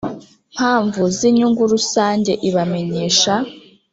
Mpamvu z inyungu rusange ibamenyesha